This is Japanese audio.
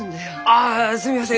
ああすみません！